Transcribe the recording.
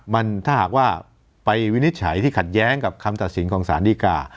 มันถ้าหากว่าไปวินิจฉัยที่ขัดแย้งกับคำตัดสินของสารดีกา